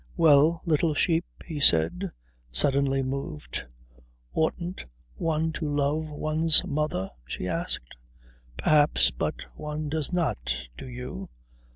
"Well, little sheep?" he said, suddenly moved. "Oughtn't one to love one's mother?" she asked. "Perhaps. But one does not. Do you?"